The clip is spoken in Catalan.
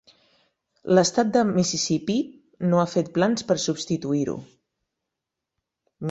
L'estat de Mississippí no ha fet plans per substituir-ho.